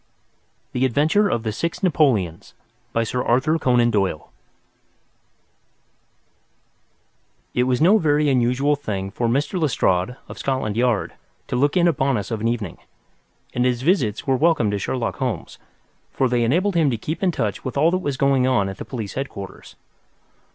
THE ADVENTURE OF THE SIX NAPOLEONS It was no very unusual thing for Mr. Lestrade, of Scotland Yard, to look in upon us of an evening, and his visits were welcome to Sherlock Holmes, for they enabled him to keep in touch with all that was going on at the police headquarters.